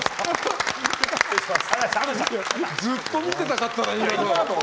ずっと見てたかったな今の。